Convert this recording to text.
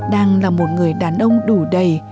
đang là một người đàn ông đủ đầy